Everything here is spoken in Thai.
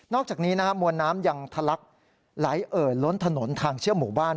อกจากนี้นะฮะมวลน้ำยังทะลักไหลเอ่อล้นถนนทางเชื่อหมู่บ้าน